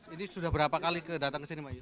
ini sudah berapa kali datang kesini mbak ayu